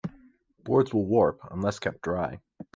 Boards will warp unless kept dry.